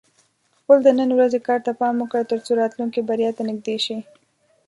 خپل د نن ورځې کار ته پام وکړه، ترڅو راتلونکې بریا ته نږدې شې.